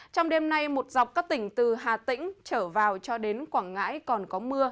trong đêm nay một dọc các tỉnh từ hà tĩnh trở vào cho đến quảng ngãi còn có mưa